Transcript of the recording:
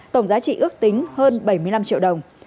tổng giá trị ước tính hơn bảy mươi năm triệu đồng